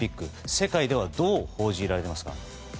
世界ではどう報じられていますか。